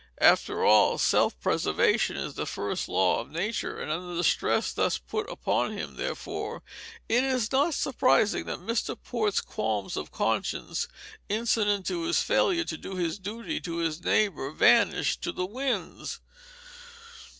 After all, self preservation is the first law of nature; and under the stress thus put upon him, therefore, it is not surprising that Mr. Port's qualms of conscience incident to his failure to do his duty to his neighbor vanished to the winds.